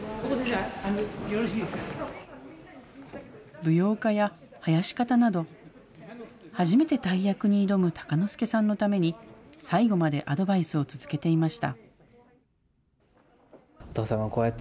舞踊家や囃子方など、初めて大役に挑む鷹之資さんのために、最後までアドバイスを続けていました。